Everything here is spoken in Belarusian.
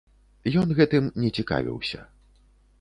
Ён гэтым не цікавіўся.